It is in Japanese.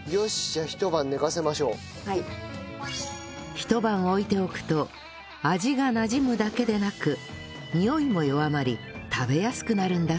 ひと晩置いておくと味がなじむだけでなくにおいも弱まり食べやすくなるんだそう